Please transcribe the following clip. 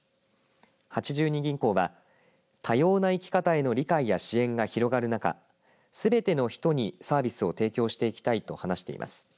八十二銀行は多様な生き方への理解や支援が広がるなかすべての人にサービスを提供していきたいと話しています。